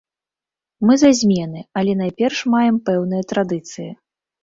Мы за змены, але найперш маем пэўныя традыцыі.